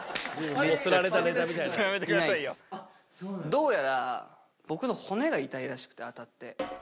どうやら僕の骨が痛いらしくて、当たって。